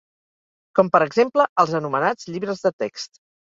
Com per exemple els anomenats llibres de text.